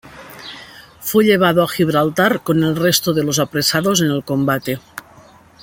Fue llevado a Gibraltar con el resto de los apresados en el combate.